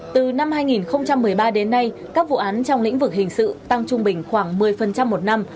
từ năm hai nghìn một mươi ba đến nay các vụ án trong lĩnh vực hình sự tăng trung bình khoảng một mươi một năm